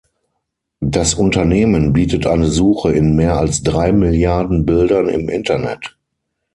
Das Unternehmen bietet eine Suche in mehr als drei Milliarden Bildern im Internet.